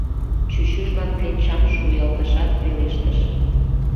Чӱчӱжлан кленчам шуялтышат, пелештыш: